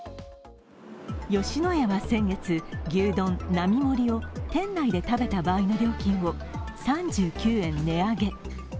吉野家は先月、牛丼並盛を店内で食べた場合の料金を３９円値上げ。